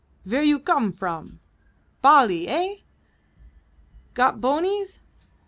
ver' you gome vrom? Bali, eh? Got bonies?